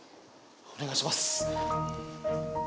お願いします。